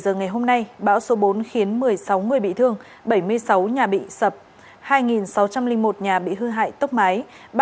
một giờ ngày hôm nay bão số bốn khiến một mươi sáu người bị thương bảy mươi sáu nhà bị sập hai sáu trăm linh một nhà bị hư hại tốc mái